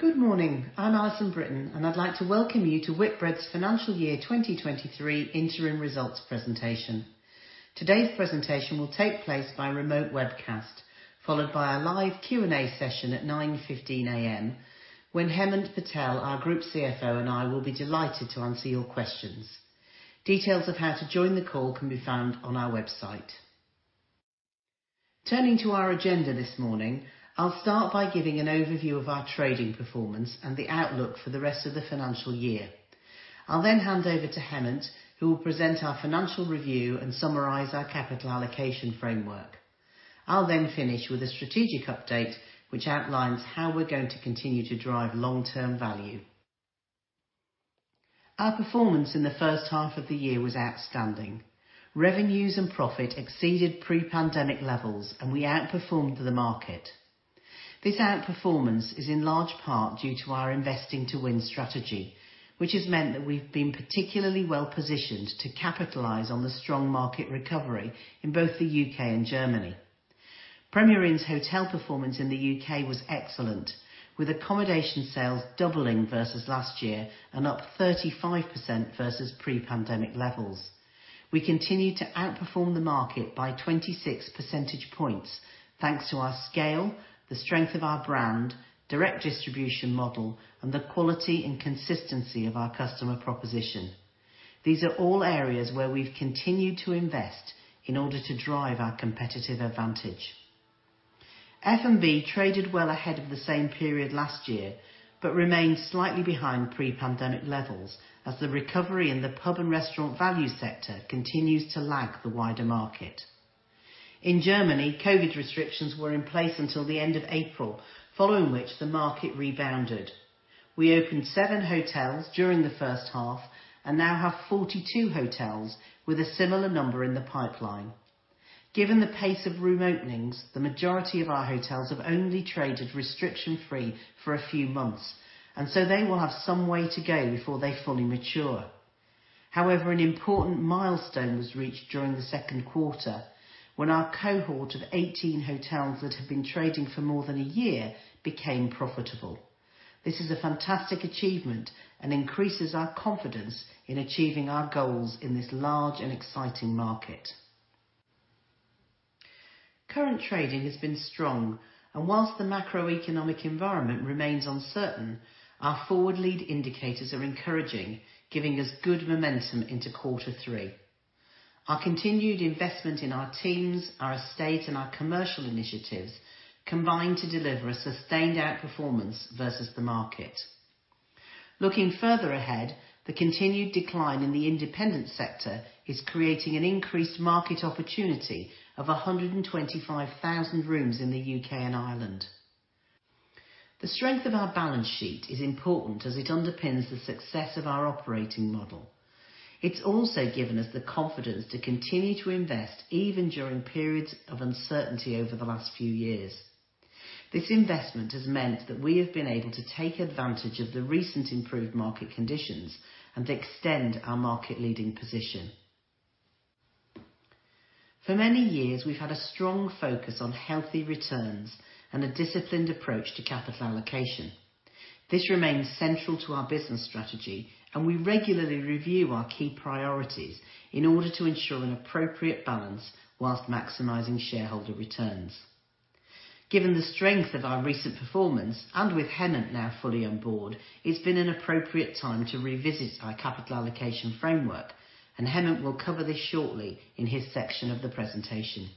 Good morning. I'm Alison Brittain, and I'd like to welcome you to Whitbread's Financial Year 2023 Interim Results Presentation. Today's presentation will take place by remote webcast, followed by a live Q&A session at 9:15 A.M. when Hemant Patel, our Group CFO, and I will be delighted to answer your questions. Details of how to join the call can be found on our website. Turning to our agenda this morning, I'll start by giving an overview of our trading performance and the outlook for the rest of the financial year. I'll then hand over to Hemant, who will present our financial review and summarize our capital allocation framework. I'll then finish with a strategic update which outlines how we're going to continue to drive long-term value. Our performance in the first half of the year was outstanding. Revenues and profit exceeded pre-pandemic levels, and we outperformed the market. This outperformance is in large part due to our Investing to Win strategy, which has meant that we've been particularly well-positioned to capitalize on the strong market recovery in both the U.K. and Germany. Premier Inn's hotel performance in the U.K. was excellent, with accommodation sales doubling versus last year and up 35% versus pre-pandemic levels. We continue to outperform the market by 26 percentage points thanks to our scale, the strength of our brand, direct distribution model, and the quality and consistency of our customer proposition. These are all areas where we've continued to invest in order to drive our competitive advantage. F&B traded well ahead of the same period last year, but remained slightly behind pre-pandemic levels as the recovery in the Pub and Restaurant value sector continues to lag the wider market. In Germany, COVID restrictions were in place until the end of April, following which the market rebounded. We opened 7 hotels during the first half and now have 42 hotels with a similar number in the pipeline. Given the pace of room openings, the majority of our hotels have only traded restriction-free for a few months, and so they will have some way to go before they fully mature. However, an important milestone was reached during the second quarter when our cohort of 18 hotels that have been trading for more than a year became profitable. This is a fantastic achievement and increases our confidence in achieving our goals in this large and exciting market. Current trading has been strong, and whilst the macroeconomic environment remains uncertain, our forward lead indicators are encouraging, giving us good momentum into quarter three. Our continued investment in our teams, our estate, and our commercial initiatives combine to deliver a sustained outperformance versus the market. Looking further ahead, the continued decline in the Independent sector is creating an increased market opportunity of 125,000 rooms in the U.K. and Ireland. The strength of our balance sheet is important as it underpins the success of our operating model. It's also given us the confidence to continue to invest, even during periods of uncertainty over the last few years. This investment has meant that we have been able to take advantage of the recent improved market conditions and extend our market-leading position. For many years, we've had a strong focus on healthy returns and a disciplined approach to capital allocation. This remains central to our business strategy, and we regularly review our key priorities in order to ensure an appropriate balance while maximizing shareholder returns. Given the strength of our recent performance, and with Hemant now fully on board, it's been an appropriate time to revisit our capital allocation framework, and Hemant will cover this shortly in his section of the presentation.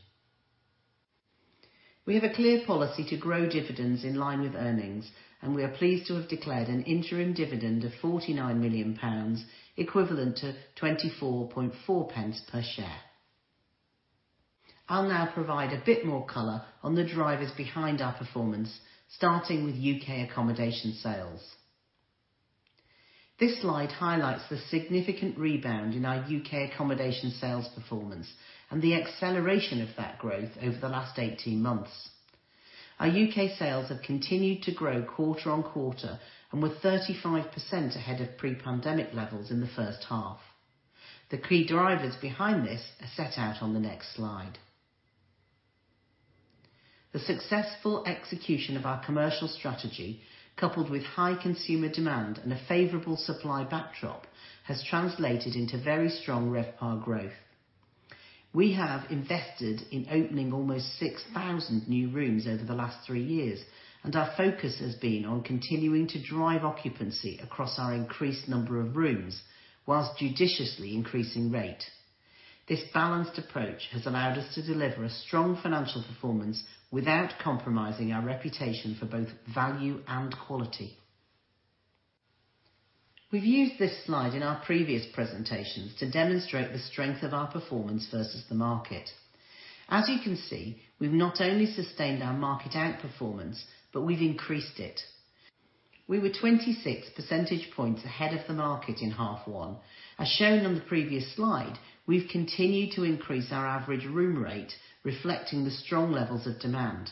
We have a clear policy to grow dividends in line with earnings, and we are pleased to have declared an interim dividend of 49 million pounds, equivalent to 0.244 per share. I'll now provide a bit more color on the drivers behind our performance, starting with U.K. accommodation sales. This slide highlights the significant rebound in our U.K. accommodation sales performance and the acceleration of that growth over the last 18 months. Our U.K. sales have continued to grow quarter-on-quarter and were 35% ahead of pre-pandemic levels in the first half. The key drivers behind this are set out on the next slide. The successful execution of our commercial strategy, coupled with high consumer demand and a favorable supply backdrop, has translated into very strong RevPAR growth. We have invested in opening almost 6,000 new rooms over the last three years, and our focus has been on continuing to drive occupancy across our increased number of rooms whilst judiciously increasing rate. This balanced approach has allowed us to deliver a strong financial performance without compromising our reputation for both value and quality. We've used this slide in our previous presentations to demonstrate the strength of our performance versus the market. As you can see, we've not only sustained our market outperformance, but we've increased it. We were 26 percentage points ahead of the market in half one. As shown on the previous slide, we've continued to increase our average room rate, reflecting the strong levels of demand.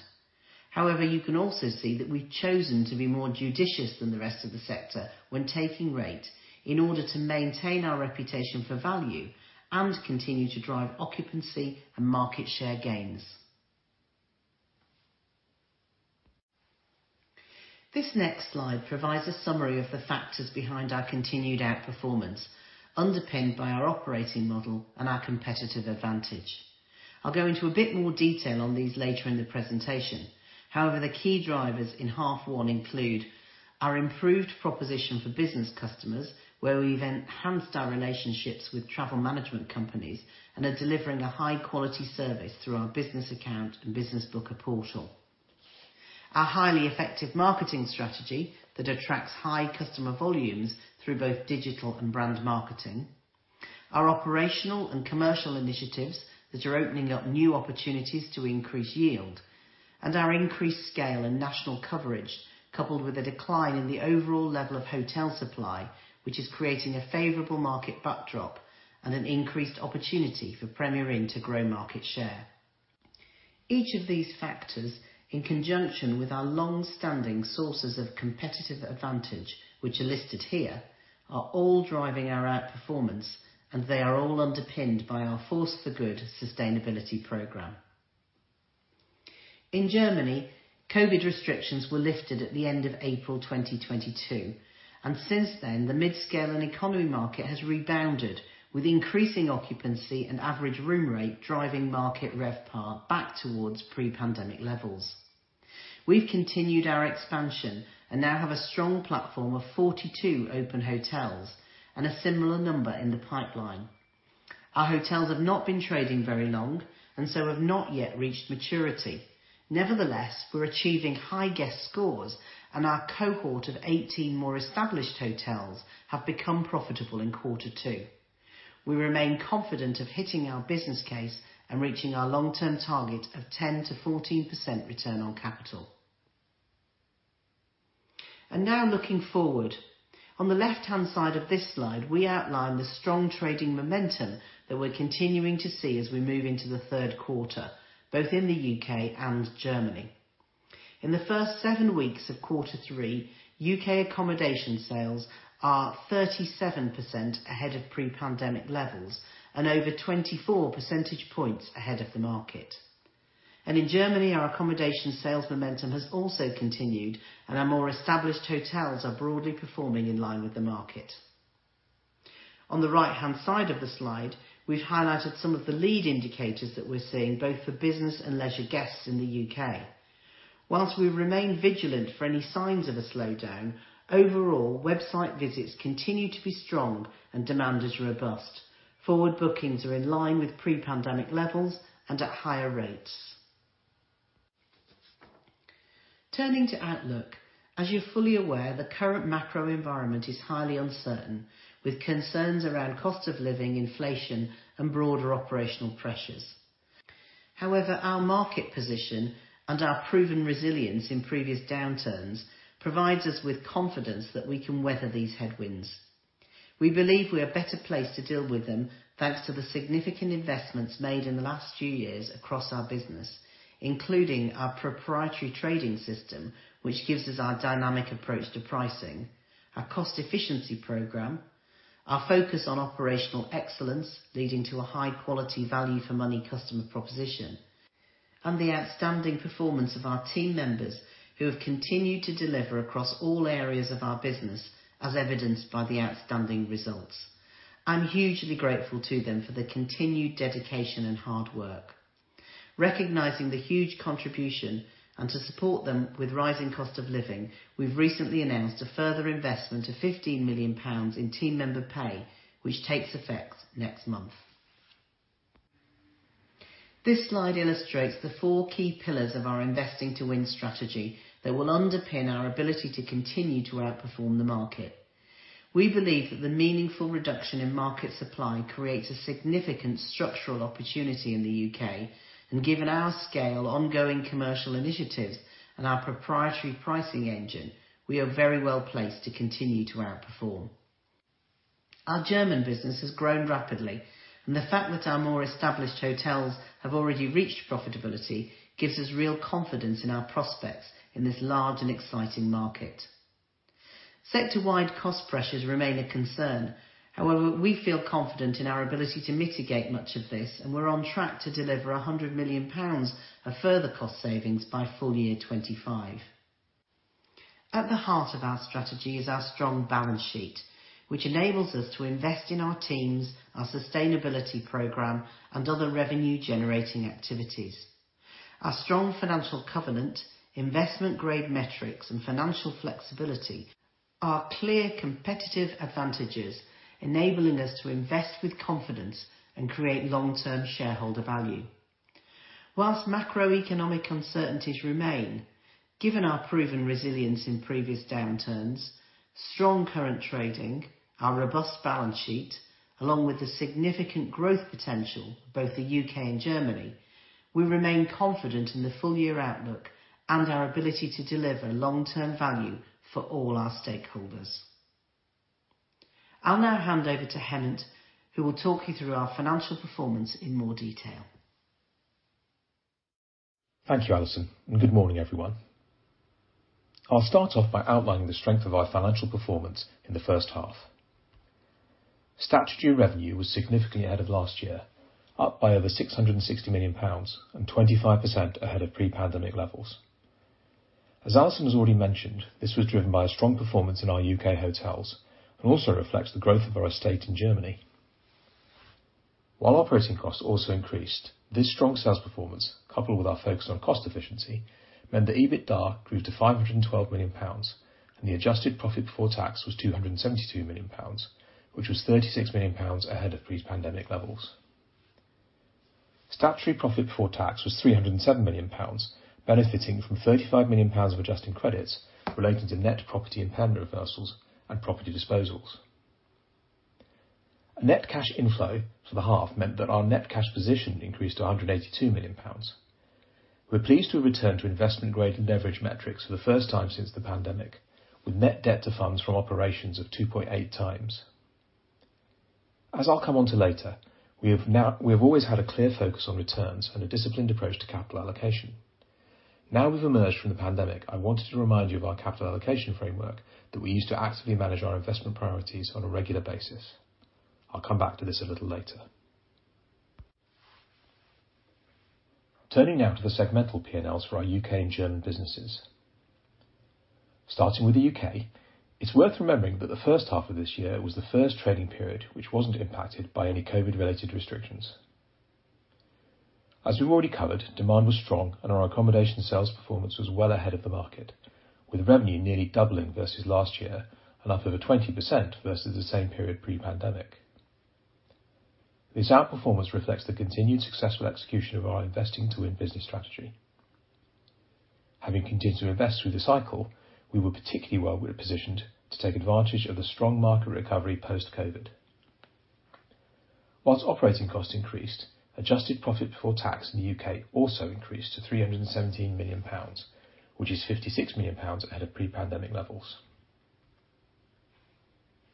However, you can also see that we've chosen to be more judicious than the rest of the sector when taking rate in order to maintain our reputation for value and continue to drive occupancy and market share gains. This next slide provides a summary of the factors behind our continued outperformance, underpinned by our operating model and our competitive advantage. I'll go into a bit more detail on these later in the presentation. However, the key drivers in half one include our improved proposition for business customers, where we've enhanced our relationships with travel management companies and are delivering a high-quality service through our business account and business booker portal. Our highly effective marketing strategy that attracts high customer volumes through both digital and brand marketing. Our operational and commercial initiatives that are opening up new opportunities to increase yield. Our increased scale and national coverage, coupled with a decline in the overall level of hotel supply, which is creating a favorable market backdrop and an increased opportunity for Premier Inn to grow market share. Each of these factors, in conjunction with our long-standing sources of competitive advantage, which are listed here, are all driving our outperformance, and they are all underpinned by our Force for Good sustainability program. In Germany, COVID restrictions were lifted at the end of April 2022, and since then, the mid-scale and economy market has rebounded, with increasing occupancy and average room rate driving market RevPAR back towards pre-pandemic levels. We've continued our expansion and now have a strong platform of 42 open hotels and a similar number in the pipeline. Our hotels have not been trading very long and so have not yet reached maturity. Nevertheless, we're achieving high guest scores and our cohort of 18 more established hotels have become profitable in quarter two. We remain confident of hitting our business case and reaching our long-term target of 10%-14% return on capital. Now looking forward. On the left-hand side of this slide, we outline the strong trading momentum that we're continuing to see as we move into the third quarter, both in the U.K. and Germany. In the first 7 weeks of quarter three, U.K. accommodation sales are 37% ahead of pre-pandemic levels and over 24 percentage points ahead of the market. In Germany, our accommodation sales momentum has also continued, and our more established hotels are broadly performing in line with the market. On the right-hand side of the slide, we've highlighted some of the leading indicators that we're seeing both for business and leisure guests in the U.K. Whilst we remain vigilant for any signs of a slowdown, overall, website visits continue to be strong and demand is robust. Forward bookings are in line with pre-pandemic levels and at higher rates. Turning to outlook. As you're fully aware, the current macro environment is highly uncertain, with concerns around cost of living, inflation, and broader operational pressures. However, our market position and our proven resilience in previous downturns provides us with confidence that we can weather these headwinds. We believe we are better placed to deal with them, thanks to the significant investments made in the last few years across our business, including our proprietary trading system, which gives us our dynamic approach to pricing, our cost efficiency program, our focus on operational excellence, leading to a high-quality value for money customer proposition, and the outstanding performance of our team members who have continued to deliver across all areas of our business, as evidenced by the outstanding results. I'm hugely grateful to them for their continued dedication and hard work. Recognizing the huge contribution and to support them with rising cost of living, we've recently announced a further investment of 15 million pounds in team member pay, which takes effect next month. This slide illustrates the four key pillars of our Investing to Win strategy that will underpin our ability to continue to outperform the market. We believe that the meaningful reduction in market supply creates a significant structural opportunity in the U.K., and given our scale, ongoing commercial initiatives, and our proprietary pricing engine, we are very well-placed to continue to outperform. Our German business has grown rapidly, and the fact that our more established hotels have already reached profitability gives us real confidence in our prospects in this large and exciting market. Sector-wide cost pressures remain a concern. However, we feel confident in our ability to mitigate much of this, and we're on track to deliver 100 million pounds of further cost savings by full year 25. At the heart of our strategy is our strong balance sheet, which enables us to invest in our teams, our sustainability program, and other revenue-generating activities. Our strong financial covenant, investment-grade metrics, and financial flexibility are clear competitive advantages, enabling us to invest with confidence and create long-term shareholder value. While macroeconomic uncertainties remain, given our proven resilience in previous downturns, strong current trading, our robust balance sheet, along with the significant growth potential of both the U.K. and Germany, we remain confident in the full-year outlook and our ability to deliver long-term value for all our stakeholders. I'll now hand over to Hemant, who will talk you through our financial performance in more detail. Thank you, Alison, and good morning, everyone. I'll start off by outlining the strength of our financial performance in the first half. Statutory revenue was significantly ahead of last year, up by over 660 million pounds and 25% ahead of pre-pandemic levels. As Alison has already mentioned, this was driven by a strong performance in our U.K. hotels and also reflects the growth of our estate in Germany. While operating costs also increased, this strong sales performance, coupled with our focus on cost efficiency, meant the EBITDA grew to 512 million pounds, and the adjusted profit before tax was 272 million pounds, which was 36 million pounds ahead of pre-pandemic levels. Statutory profit before tax was 307 million pounds, benefiting from 35 million pounds of adjusting credits related to net property impairment reversals and property disposals. Net cash inflow for the half meant that our net cash position increased to 182 million pounds. We're pleased to return to investment-grade and leverage metrics for the first time since the pandemic, with net debt to funds from operations of 2.8 times. As I'll come on to later, we have always had a clear focus on returns and a disciplined approach to capital allocation. Now we've emerged from the pandemic, I wanted to remind you of our capital allocation framework that we use to actively manage our investment priorities on a regular basis. I'll come back to this a little later. Turning now to the segmental P&Ls for our U.K. and German businesses. Starting with the U.K., it's worth remembering that the first half of this year was the first trading period, which wasn't impacted by any COVID-related restrictions. As we've already covered, demand was strong and our accommodation sales performance was well ahead of the market, with revenue nearly doubling versus last year and up over 20% versus the same period pre-pandemic. This outperformance reflects the continued successful execution of our Investing to Win business strategy. Having continued to invest with the cycle, we were particularly well positioned to take advantage of the strong market recovery post-COVID. Whilst operating costs increased, adjusted profit before tax in the U.K. also increased to 317 million pounds, which is 56 million pounds ahead of pre-pandemic levels.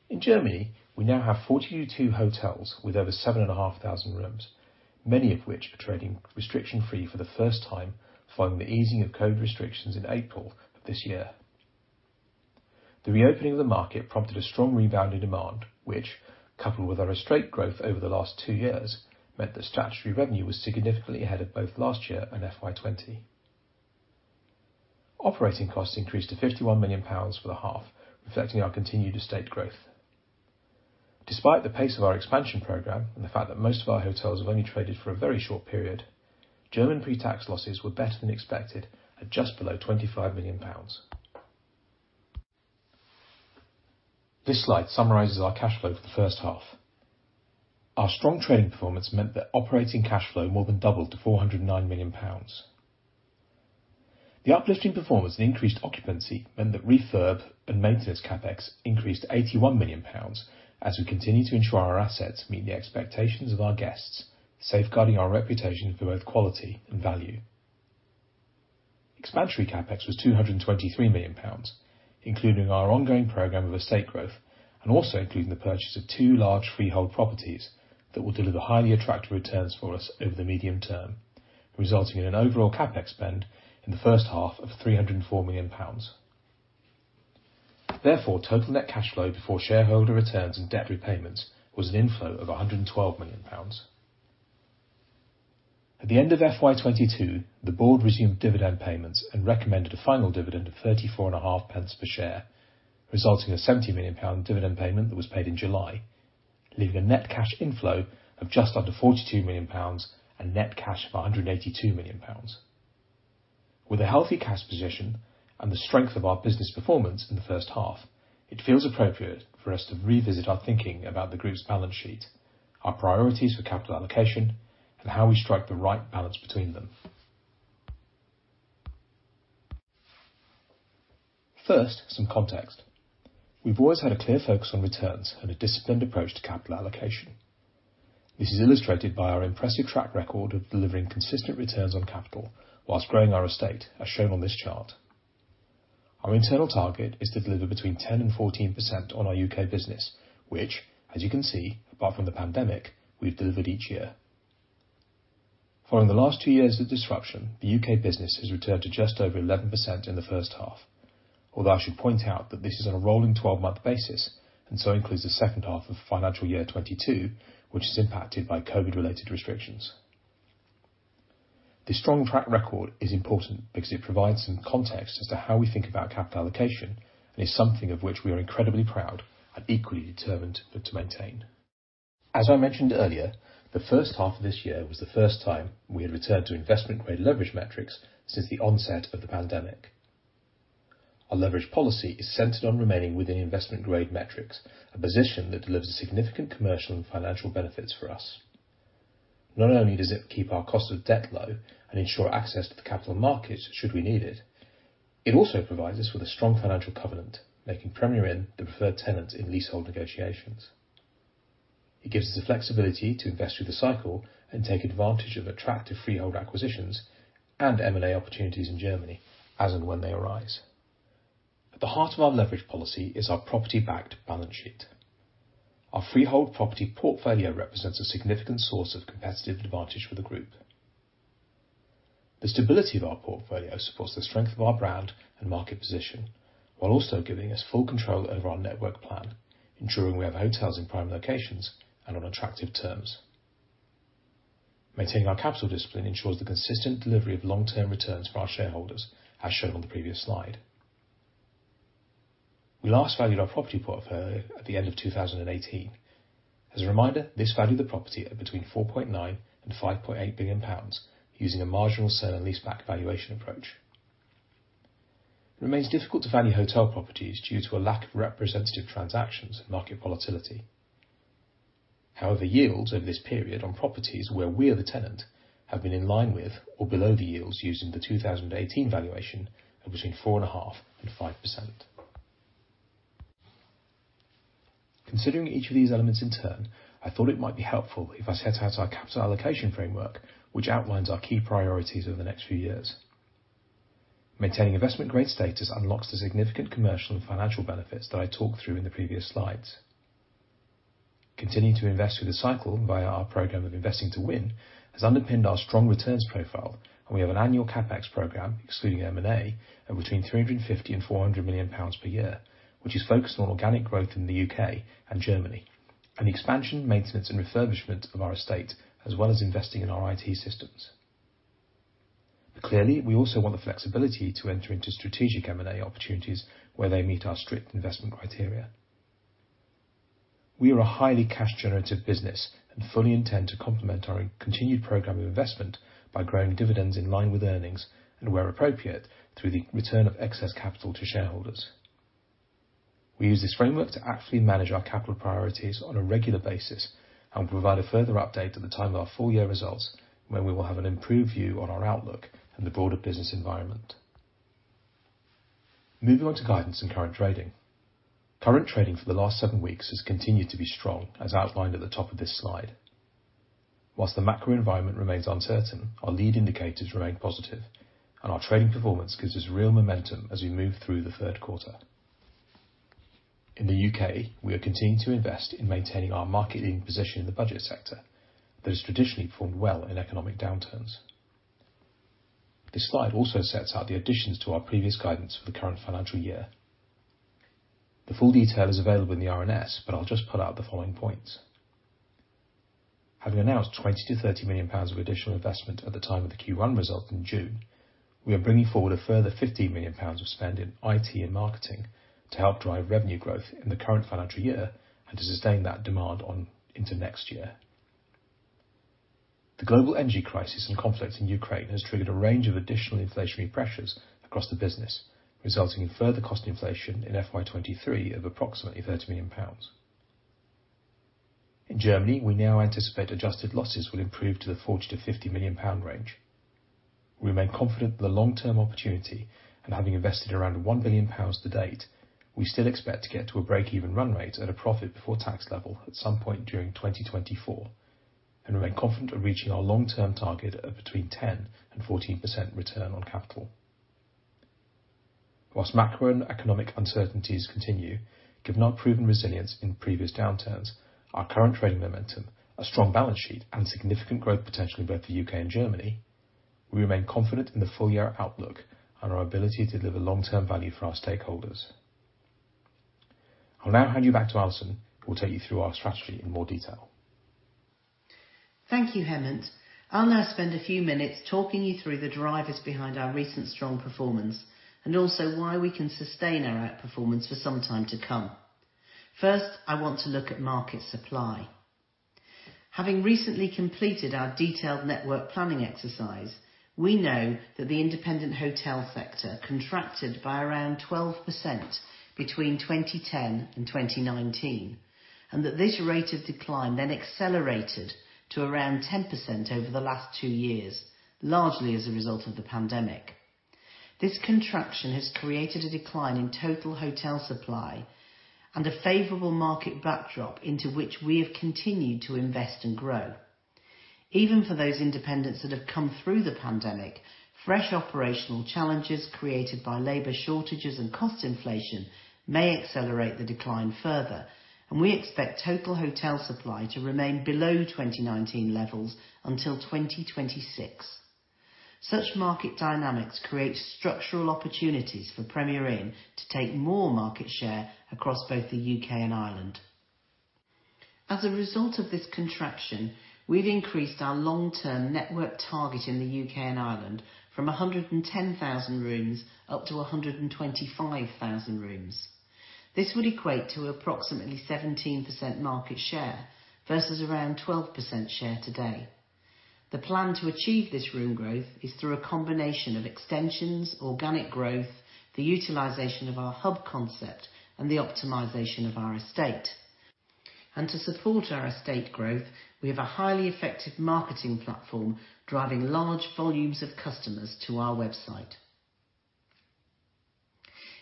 In Germany, we now have 42 hotels with over 7,500 rooms, many of which are trading restriction-free for the first time following the easing of COVID restrictions in April of this year. The reopening of the market prompted a strong rebound in demand, which, coupled with our straight growth over the last two years, meant that statutory revenue was significantly ahead of both last year and FY 2020. Operating costs increased to 51 million pounds for the half, reflecting our continued estate growth. Despite the pace of our expansion program and the fact that most of our hotels have only traded for a very short period, German pre-tax losses were better than expected at just below 25 million pounds. This slide summarizes our cash flow for the first half. Our strong trading performance meant that operating cash flow more than doubled to 409 million pounds. The uplifting performance and increased occupancy meant that refurb and maintenance CapEx increased to 81 million pounds as we continue to ensure our assets meet the expectations of our guests, safeguarding our reputation for both quality and value. Expansionary CapEx was 223 million pounds, including our ongoing program of estate growth and also including the purchase of two large freehold properties that will deliver highly attractive returns for us over the medium term, resulting in an overall CapEx spend in the first half of 304 million pounds. Therefore, total net cash flow before shareholder returns and debt repayments was an inflow of 112 million pounds. At the end of FY 2022, the board resumed dividend payments and recommended a final dividend of 34 and a half pence per share, resulting in a 70 million pound dividend payment that was paid in July, leaving a net cash inflow of just under 42 million pounds and net cash of 182 million pounds. With a healthy cash position and the strength of our business performance in the first half, it feels appropriate for us to revisit our thinking about the group's balance sheet, our priorities for capital allocation, and how we strike the right balance between them. First, some context. We've always had a clear focus on returns and a disciplined approach to capital allocation. This is illustrated by our impressive track record of delivering consistent returns on capital whilst growing our estate, as shown on this chart. Our internal target is to deliver between 10% and 14% on our U.K. business, which, as you can see, apart from the pandemic, we've delivered each year. Following the last two years of disruption, the U.K. business has returned to just over 11% in the first half. Although I should point out that this is on a rolling 12-month basis and so includes the second half of FY 2022, which is impacted by COVID-related restrictions. This strong track record is important because it provides some context as to how we think about capital allocation and is something of which we are incredibly proud and equally determined to maintain. As I mentioned earlier, the first half of this year was the first time we had returned to investment-grade leverage metrics since the onset of the pandemic. Our leverage policy is centered on remaining within investment-grade metrics, a position that delivers significant commercial and financial benefits for us. Not only does it keep our cost of debt low and ensure access to the capital markets should we need it also provides us with a strong financial covenant, making Premier Inn the preferred tenant in leasehold negotiations. It gives us the flexibility to invest through the cycle and take advantage of attractive freehold acquisitions and M&A opportunities in Germany as and when they arise. At the heart of our leverage policy is our property-backed balance sheet. Our freehold property portfolio represents a significant source of competitive advantage for the group. The stability of our portfolio supports the strength of our brand and market position, while also giving us full control over our network plan, ensuring we have hotels in prime locations and on attractive terms. Maintaining our capital discipline ensures the consistent delivery of long-term returns for our shareholders, as shown on the previous slide. We last valued our property portfolio at the end of 2018. As a reminder, this valued the property at between 4.9 billion and 5.8 billion pounds using a marginal sale and leaseback valuation approach. It remains difficult to value hotel properties due to a lack of representative transactions and market volatility. However, yields over this period on properties where we are the tenant have been in line with or below the yields used in the 2018 valuation of between 4.5% and 5%. Considering each of these elements in turn, I thought it might be helpful if I set out our capital allocation framework, which outlines our key priorities over the next few years. Maintaining investment grade status unlocks the significant commercial and financial benefits that I talked through in the previous slides. Continuing to invest through the cycle via our program of Investing to Win has underpinned our strong returns profile, and we have an annual CapEx program, excluding M&A, of between 350 million and 400 million pounds per year, which is focused on organic growth in the U.K. and Germany and the expansion, maintenance, and refurbishment of our estate, as well as investing in our IT systems. Clearly, we also want the flexibility to enter into strategic M&A opportunities where they meet our strict investment criteria. We are a highly cash-generative business and fully intend to complement our continued program of investment by growing dividends in line with earnings and where appropriate, through the return of excess capital to shareholders. We use this framework to actively manage our capital priorities on a regular basis and will provide a further update at the time of our full year results when we will have an improved view on our outlook and the broader business environment. Moving on to guidance and current trading. Current trading for the last seven weeks has continued to be strong, as outlined at the top of this slide. Whilst the macro environment remains uncertain, our lead indicators remain positive, and our trading performance gives us real momentum as we move through the third quarter. In the U.K., we are continuing to invest in maintaining our market leading position in the budget sector that has traditionally performed well in economic downturns. This slide also sets out the additions to our previous guidance for the current financial year. The full detail is available in the RNS, but I'll just pull out the following points. Having announced 20 million-30 million pounds of additional investment at the time of the Q1 result in June, we are bringing forward a further 50 million pounds of spend in IT and marketing to help drive revenue growth in the current financial year and to sustain that demand on into next year. The global energy crisis and conflict in Ukraine has triggered a range of additional inflationary pressures across the business, resulting in further cost inflation in FY 2023 of approximately 30 million pounds. In Germany, we now anticipate adjusted losses will improve to the 40 million-50 million pound range. We remain confident of the long-term opportunity and having invested around 1 billion pounds to date, we still expect to get to a break-even run rate at a profit before tax level at some point during 2024 and remain confident of reaching our long-term target of between 10%-14% return on capital. Whilst macroeconomic uncertainties continue, given our proven resilience in previous downturns, our current trading momentum, a strong balance sheet, and significant growth potential in both the U.K. and Germany, we remain confident in the full-year outlook and our ability to deliver long-term value for our stakeholders. I'll now hand you back to Alison, who will take you through our strategy in more detail. Thank you, Hemant. I'll now spend a few minutes talking you through the drivers behind our recent strong performance and also why we can sustain our outperformance for some time to come. First, I want to look at market supply. Having recently completed our detailed network planning exercise, we know that the Independent Hotel sector contracted by around 12% between 2010 and 2019, and that this rate of decline then accelerated to around 10% over the last 2 years, largely as a result of the pandemic. This contraction has created a decline in total hotel supply and a favorable market backdrop into which we have continued to invest and grow. Even for those independents that have come through the pandemic, fresh operational challenges created by labor shortages and cost inflation may accelerate the decline further, and we expect total hotel supply to remain below 2019 levels until 2026. Such market dynamics create structural opportunities for Premier Inn to take more market share across both the U.K. and Ireland. As a result of this contraction, we've increased our long-term network target in the U.K. and Ireland from 110,000 rooms up to 125,000 rooms. This would equate to approximately 17% market share versus around 12% share today. The plan to achieve this room growth is through a combination of extensions, organic growth, the utilization of our hub concept, and the optimization of our estate. To support our estate growth, we have a highly effective marketing platform driving large volumes of customers to our website.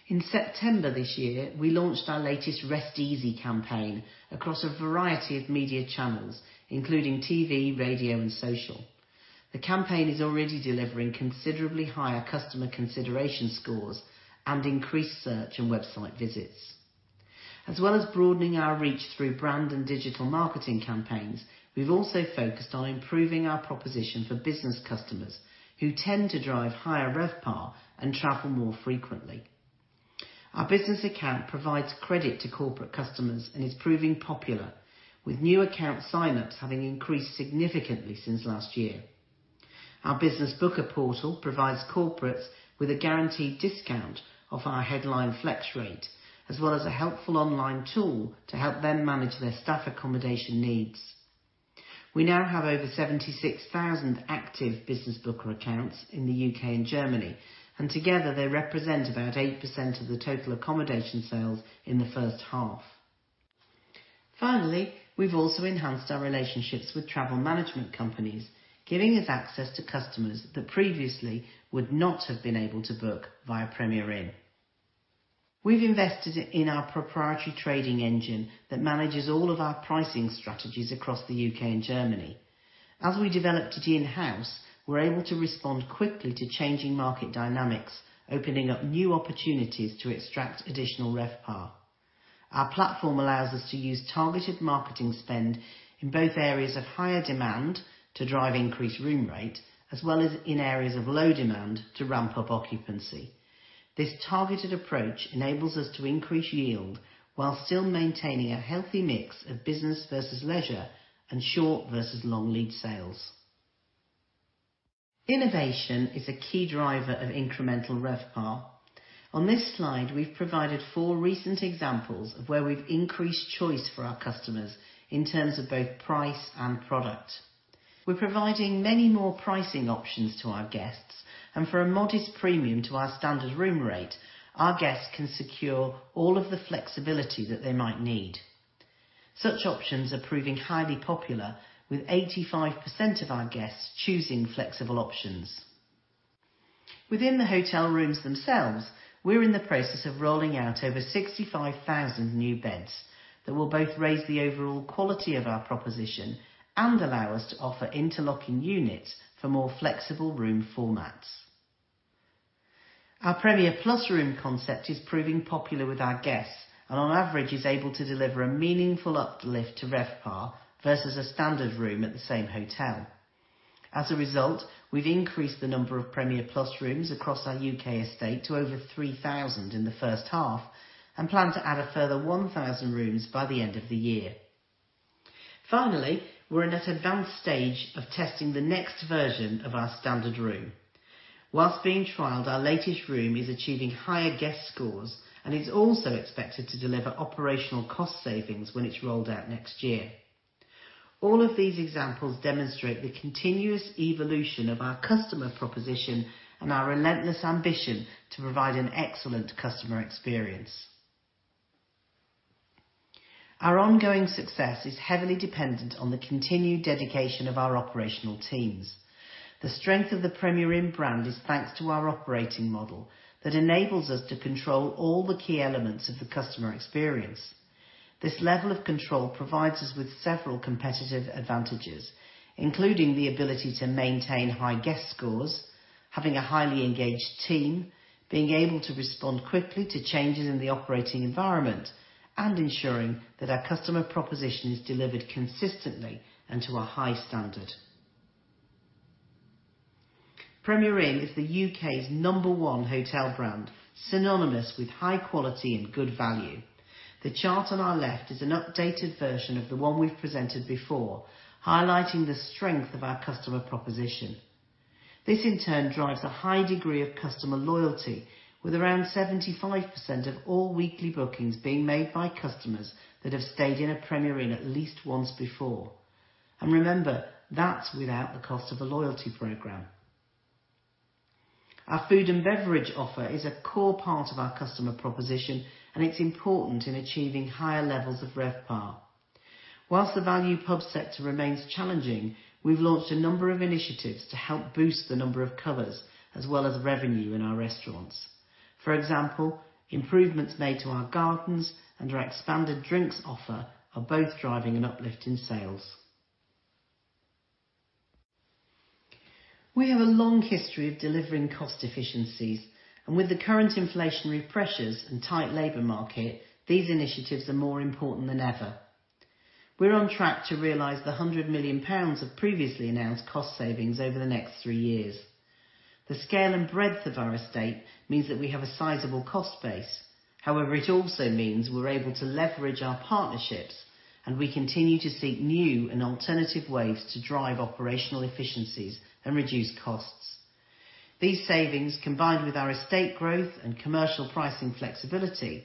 In September this year, we launched our latest Rest Easy campaign across a variety of media channels, including TV, radio, and social. The campaign is already delivering considerably higher customer consideration scores and increased search and website visits. As well as broadening our reach through brand and digital marketing campaigns, we've also focused on improving our proposition for business customers who tend to drive higher RevPAR and travel more frequently. Our business account provides credit to corporate customers and is proving popular, with new account sign-ups having increased significantly since last year. Our business booker portal provides corporates with a guaranteed discount off our headline flex rate, as well as a helpful online tool to help them manage their staff accommodation needs. We now have over 76,000 active business booker accounts in the U.K. and Germany, and together they represent about 8% of the total accommodation sales in the first half. Finally, we've also enhanced our relationships with travel management companies, giving us access to customers that previously would not have been able to book via Premier Inn. We've invested in our proprietary trading engine that manages all of our pricing strategies across the U.K. and Germany. As we developed it in-house, we're able to respond quickly to changing market dynamics, opening up new opportunities to extract additional RevPAR. Our platform allows us to use targeted marketing spend in both areas of higher demand to drive increased room rate, as well as in areas of low demand to ramp up occupancy. This targeted approach enables us to increase yield while still maintaining a healthy mix of business versus leisure and short versus long lead sales. Innovation is a key driver of incremental RevPAR. On this slide, we've provided four recent examples of where we've increased choice for our customers in terms of both price and product. We're providing many more pricing options to our guests, and for a modest premium to our standard room rate, our guests can secure all of the flexibility that they might need. Such options are proving highly popular, with 85% of our guests choosing flexible options. Within the hotel rooms themselves, we're in the process of rolling out over 65,000 new beds that will both raise the overall quality of our proposition and allow us to offer interlocking units for more flexible room formats. Our Premier Plus room concept is proving popular with our guests and on average is able to deliver a meaningful uplift to RevPAR versus a standard room at the same hotel. As a result, we've increased the number of Premier Plus rooms across our U.K. estate to over 3,000 in the first half and plan to add a further 1,000 rooms by the end of the year. Finally, we're in an advanced stage of testing the next version of our standard room. Whilst being trialed, our latest room is achieving higher guest scores, and is also expected to deliver operational cost savings when it's rolled out next year. All of these examples demonstrate the continuous evolution of our customer proposition and our relentless ambition to provide an excellent customer experience. Our ongoing success is heavily dependent on the continued dedication of our operational teams. The strength of the Premier Inn brand is thanks to our operating model that enables us to control all the key elements of the customer experience. This level of control provides us with several competitive advantages, including the ability to maintain high guest scores, having a highly engaged team, being able to respond quickly to changes in the operating environment, and ensuring that our customer proposition is delivered consistently and to a high standard. Premier Inn is the U.K.'s number one hotel brand, synonymous with high quality and good value. The chart on our left is an updated version of the one we've presented before, highlighting the strength of our customer proposition. This in turn drives a high degree of customer loyalty with around 75% of all weekly bookings being made by customers that have stayed in a Premier Inn at least once before. Remember, that's without the cost of a loyalty program. Our food and beverage offer is a core part of our customer proposition, and it's important in achieving higher levels of RevPAR. While the value Pub sector remains challenging, we've launched a number of initiatives to help boost the number of covers as well as revenue in our Restaurants. For example, improvements made to our gardens and our expanded drinks offer are both driving an uplift in sales. We have a long history of delivering cost efficiencies, and with the current inflationary pressures and tight labor market, these initiatives are more important than ever. We're on track to realize 100 million pounds of previously announced cost savings over the next three years. The scale and breadth of our estate means that we have a sizable cost base. However, it also means we're able to leverage our partnerships, and we continue to seek new and alternative ways to drive operational efficiencies and reduce costs. These savings, combined with our estate growth and commercial pricing flexibility,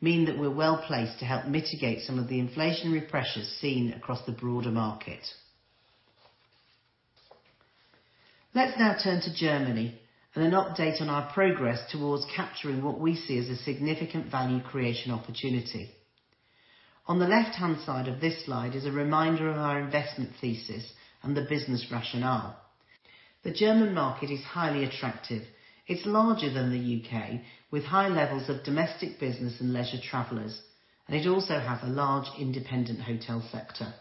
mean that we're well-placed to help mitigate some of the inflationary pressures seen across the broader market. Let's now turn to Germany and an update on our progress towards capturing what we see as a significant value creation opportunity. On the left-hand side of this slide is a reminder of our investment thesis and the business rationale. The German market is highly attractive. It's larger than the U.K., with high levels of domestic business and leisure travelers, and it also has a large Independent Hotel sector.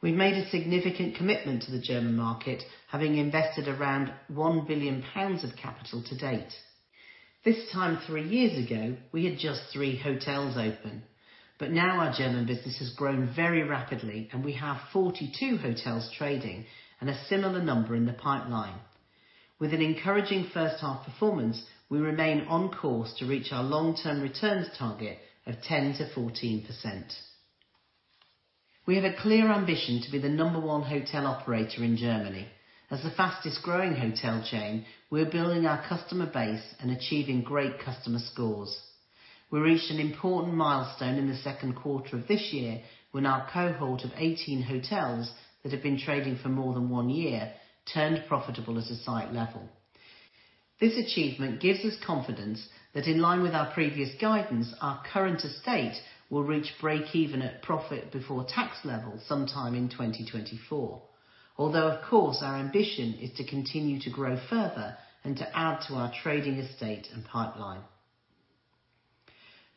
We've made a significant commitment to the German market, having invested around 1 billion pounds of capital to date. This time 3 years ago, we had just 3 hotels open, but now our German business has grown very rapidly, and we have 42 hotels trading and a similar number in the pipeline. With an encouraging first half performance, we remain on course to reach our long-term returns target of 10%-14%. We have a clear ambition to be the number one hotel operator in Germany. As the fastest-growing hotel chain, we are building our customer base and achieving great customer scores. We reached an important milestone in the second quarter of this year when our cohort of 18 hotels that have been trading for more than 1 year turned profitable as a site level. This achievement gives us confidence that in line with our previous guidance, our current estate will reach break-even at profit before tax level sometime in 2024. Although of course, our ambition is to continue to grow further and to add to our trading estate and pipeline.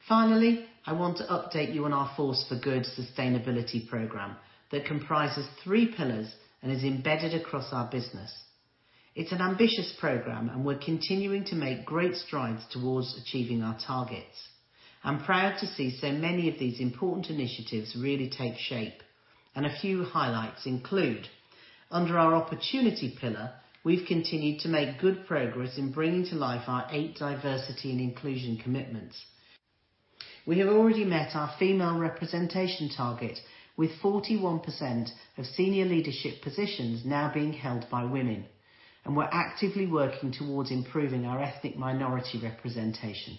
Finally, I want to update you on our Force for Good sustainability program that comprises three pillars and is embedded across our business. It's an ambitious program, and we're continuing to make great strides towards achieving our targets. I'm proud to see so many of these important initiatives really take shape, and a few highlights include under our opportunity pillar, we've continued to make good progress in bringing to life our eight diversity and inclusion commitments. We have already met our female representation target with 41% of Senior Leadership positions now being held by women, and we're actively working towards improving our ethnic minority representation.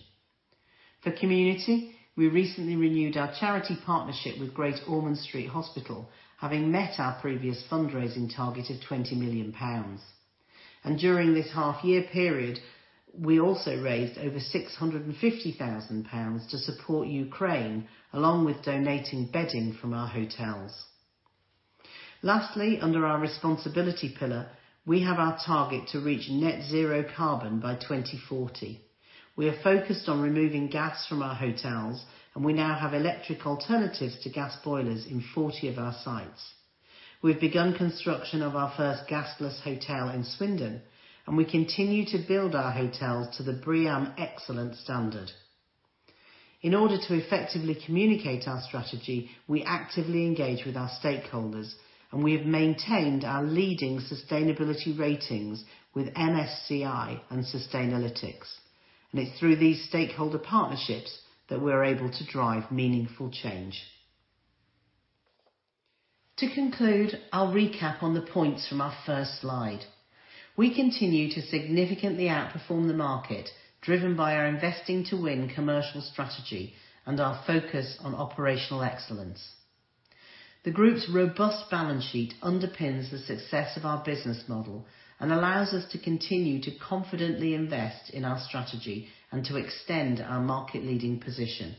For community, we recently renewed our charity partnership with Great Ormond Street Hospital, having met our previous fundraising target of 20 million pounds. During this half year period, we also raised over 650 thousand pounds to support Ukraine, along with donating bedding from our hotels. Lastly, under our responsibility pillar, we have our target to reach net zero carbon by 2040. We are focused on removing gas from our hotels, and we now have electric alternatives to gas boilers in 40 of our sites. We've begun construction of our first Gasless Hotel in Swindon, and we continue to build our hotels to the BREEAM excellent standard. In order to effectively communicate our strategy, we actively engage with our stakeholders, and we have maintained our leading sustainability ratings with MSCI and Sustainalytics. It's through these stakeholder partnerships that we're able to drive meaningful change. To conclude, I'll recap on the points from our first slide. We continue to significantly outperform the market, driven by our Investing to Win commercial strategy and our focus on operational excellence. The group's robust balance sheet underpins the success of our business model and allows us to continue to confidently invest in our strategy and to extend our market-leading position.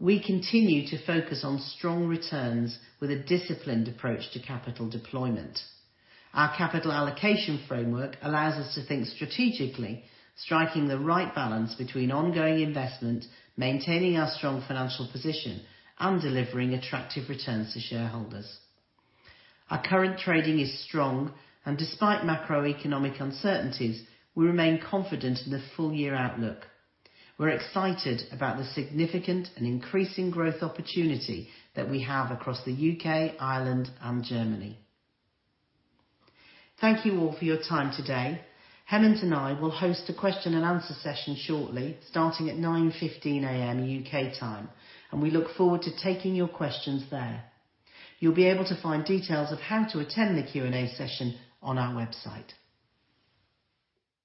We continue to focus on strong returns with a disciplined approach to capital deployment. Our capital allocation framework allows us to think strategically, striking the right balance between ongoing investment, maintaining our strong financial position, and delivering attractive returns to shareholders. Our current trading is strong and despite macroeconomic uncertainties, we remain confident in the full-year outlook. We're excited about the significant and increasing growth opportunity that we have across the U.K., Ireland, and Germany. Thank you all for your time today. Hemant and I will host a question and answer session shortly, starting at 9:15 A.M. U.K. time, and we look forward to taking your questions there. You'll be able to find details of how to attend the Q&A session on our website.